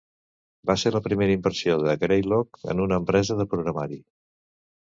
Va ser la primera inversió de Greylock en una empresa de programari.